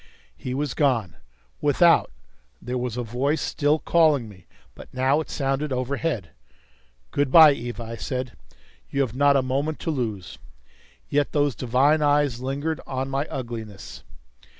He was gone. Without, there was a voice still calling me; but now it sounded overhead. "Good by, Eva," I said. "You have not a moment to lose." Yet those divine eyes lingered on my ugliness.